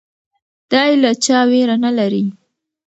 دی له چا ویره نه لري.